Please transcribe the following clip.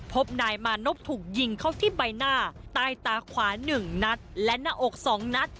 พบนายมานพถูกยิงเข้าที่ใบหน้าใต้ตาขวา๑นัดและหน้าอก๒นัด